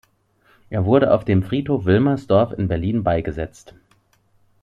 Er wurde auf dem Friedhof Wilmersdorf in Berlin beigesetzt.